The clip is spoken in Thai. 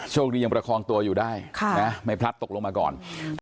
ยังประคองตัวอยู่ได้ไม่พลัดตกลงมาก่อน